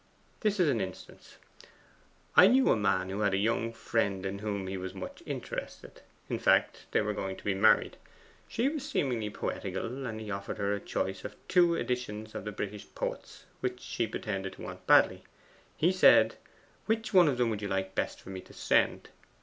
This is an instance: I knew a man who had a young friend in whom he was much interested; in fact, they were going to be married. She was seemingly poetical, and he offered her a choice of two editions of the British poets, which she pretended to want badly. He said, "Which of them would you like best for me to send?"